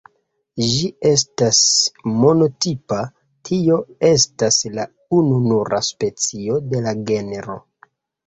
Ĝi estas monotipa, tio estas la ununura specio de la genro.